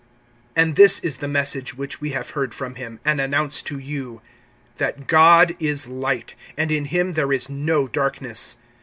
(5)And this is the message which we have heard from him, and announce to you, That God is light, and in him there is no darkness.